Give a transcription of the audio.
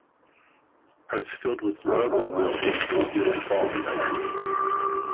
Hearts filled with love and loyalty, we give to follow in thy truth.